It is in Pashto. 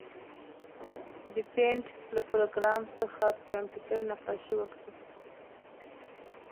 د پېنټ له پروګرام څخه په کمپیوټر نقاشي وکړئ.